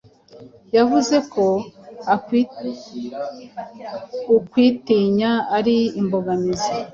yavuze ko ukwitinya ari imbogamizi